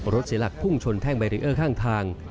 เสียหลักพุ่งชนแท่งบารีเออร์ข้างทาง